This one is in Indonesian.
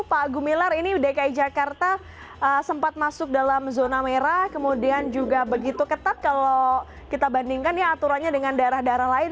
pak gumilar ini dki jakarta sempat masuk dalam zona merah kemudian juga begitu ketat kalau kita bandingkan ya aturannya dengan daerah daerah lain